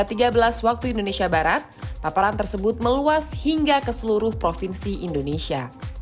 pada pukul tiga belas waktu indonesia barat paparan tersebut meluas hingga ke seluruh provinsi indonesia